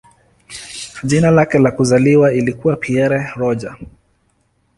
Jina lake la kuzaliwa lilikuwa "Pierre Roger".